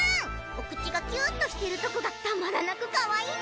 お口がキューっとしてるとこがたまらなくかわいいニャンね。